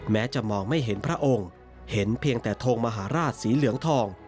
แม้จะมองไม่เห็นพระองค์เห็นเพียงแต่ทงมหาราชสีเหลืองทอง